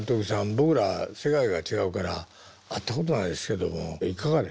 僕ら世界が違うから会ったことないですけどもいかがでしたか？